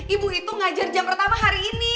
ibu itu ngajar jam pertama hari ini